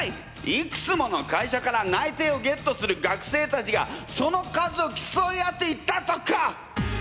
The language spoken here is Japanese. いくつもの会社から内定をゲットする学生たちがその数をきそい合っていたとか！